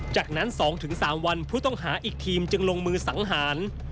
จากนั้น๒๓วันผู้ต้องหาอีกทีมจึงลงมือสังหาร